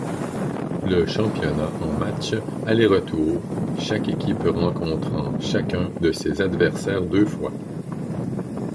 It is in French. Le championnat en matches aller-retour chaque équipe rencontrant chacun de ses adversaires deux fois.